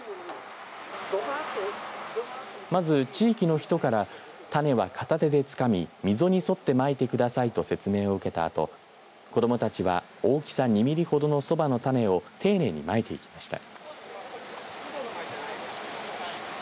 まず、地域の人から種は片手でつかみ、溝に沿ってまいてくださいと説明を受けたあと子どもたちは大きさ２ミリほどのそばの種を丁寧にまいていきました。